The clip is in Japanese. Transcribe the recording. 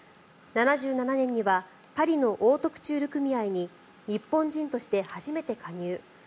７７年にはパリのオートクチュール組合に日本人として初めて加入。